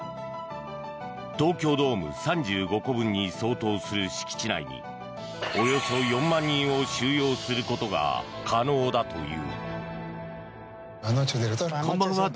東京ドーム３５個分に相当する敷地内におよそ４万人を収容することが可能だという。